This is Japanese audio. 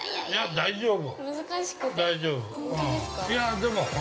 ◆大丈夫。